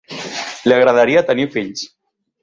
Li agradaria tenir fills.